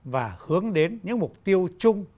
và hướng đến những mục tiêu chung